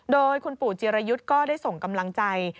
โดยคุณปู่จิรยุทธ์ก็ได้ส่งกำลังใจ